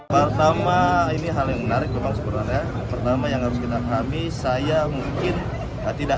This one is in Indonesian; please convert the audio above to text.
pertama ini hal yang menarik memang sebenarnya pertama yang harus kita pahami saya mungkin tidak